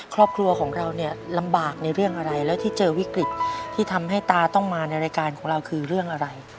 ครอบครัวของเราเนี่ยลำบากในเรื่องอะไรแล้วที่เจอวิกฤตที่ทำให้ตาต้องมาในรายการของเราคือเรื่องอะไร